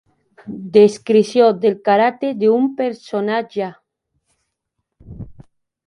Descripció del caràcter d'un personatge.